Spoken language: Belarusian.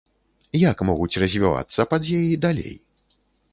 Як могуць развівацца падзеі далей?